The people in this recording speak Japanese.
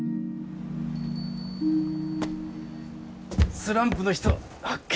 スランプの人発見！